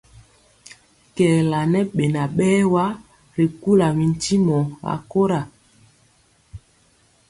Kɛɛla ŋɛ beŋa berwa ri kula mi ntimɔ a kora.